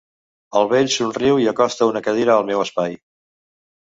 El vell somriu i acosta una cadira al meu espai.